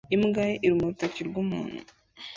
Imbwa iruma urutoki rw'umuntu